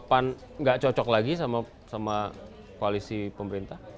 pan nggak cocok lagi sama koalisi pemerintah